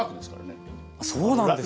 あそうなんですか。